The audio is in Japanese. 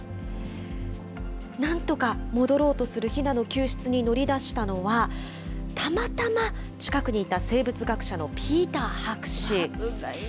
なんとか、戻ろうとするヒナの救出に乗り出したのは、たまたま近くにいた生物学者のピーター博士。